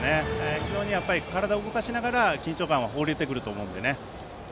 非常に体を動かしながら緊張感がほぐれていくと思うので。